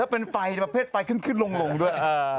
แล้วเป็นไฟประเภทไฟขึ้นคืนลงลงด้วย